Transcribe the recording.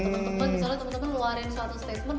temen temen misalnya temen temen luarin suatu statement